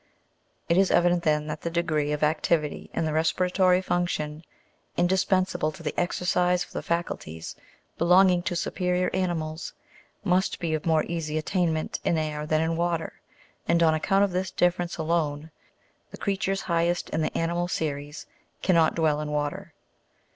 It is evident then that the degree of activity in the respiratory function, indispen sable to the exercise of the faculties belonging to superior ani mals, must be of more easy attainment in air than in water, and on account of this difference alone, the creatures highest in the animal series cannot dwell in water.